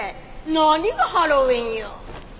何がハロウィーンよ！